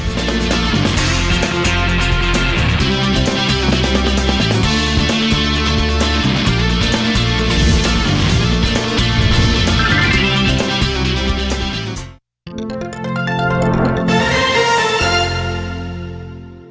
โปรดติดตามตอนต่อไป